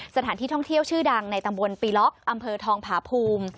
สถานที่ท่องเที่ยวชื่อดังในตำบลปีล็อกอำเภอทองผาภูมิ